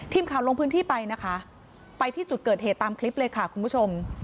ทีมข่าวลงพื้นที่ไปนะคะไปที่จุดเกิดเหตุตามคลิปเลยค่ะคุณผู้ชม